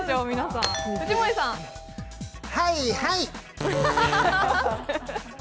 はいはい！